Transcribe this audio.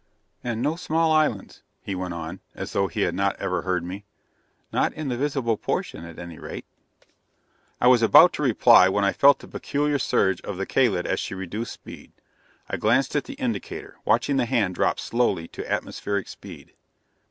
"And no small islands," he went on, as though he had not ever heard me. "Not in the visible portion, at any rate." I was about to reply, when I felt the peculiar surge of the Kalid as she reduced speed. I glanced at the indicator, watching the hand drop slowly to atmospheric speed.